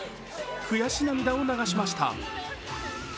悔し涙を流しました。